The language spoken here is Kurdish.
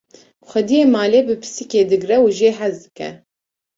xwediyê malê bi pisikê digre û jê hez dike